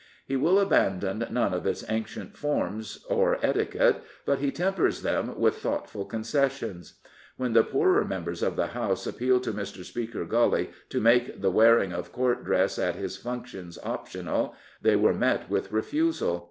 He will abandon none of its ancient forms or etiquette, but he tempers them with thoughtful concessions. When the poorer members of the House appealed to Mr. Speaker Gully to make the wearing of Court dress at his functions optional, they were met with refusal.